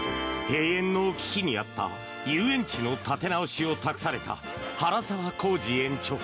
閉園の危機にあった遊園地の再建を託された原澤宏冶園長。